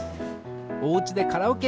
おうちでカラオケ！